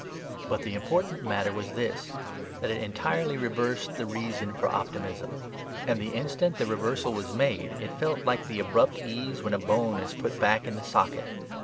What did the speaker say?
But the important matter was this, that it entirely reversed the reason for optimism. And the instant the reversal was made it felt like the abrupt ease when a bone is put back in the socket.